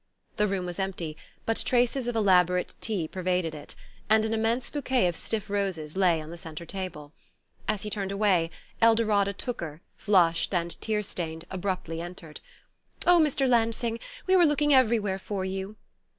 The room was empty, but traces of elaborate tea pervaded it, and an immense bouquet of stiff roses lay on the centre table. As he turned away, Eldorada Tooker, flushed and tear stained, abruptly entered. "Oh, Mr. Lansing we were looking everywhere for you."